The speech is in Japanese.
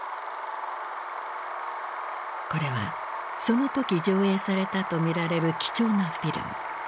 これはその時上映されたとみられる貴重なフィルム。